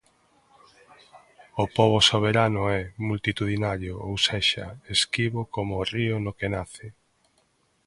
O pobo soberano é multitudinario, ou sexa, esquivo coma o río no que nace.